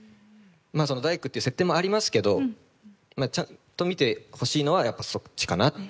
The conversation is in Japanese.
大工っていう設定もありますけどちゃんと見てほしいのはそっちかなっていう。